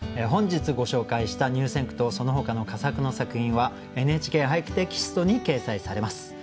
本日ご紹介した入選句とそのほかの佳作の作品は「ＮＨＫ俳句」テキストに掲載されます。